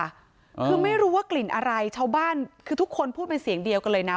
คือไม่รู้ว่ากลิ่นอะไรชาวบ้านคือทุกคนพูดเป็นเสียงเดียวกันเลยนะ